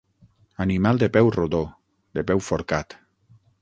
Animal de peu rodó, de peu forcat.